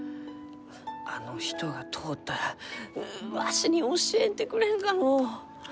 あの人が通ったらううわしに教えてくれんかのう？